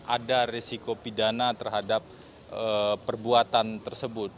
ada resiko pidana terhadap perbuatan tersebut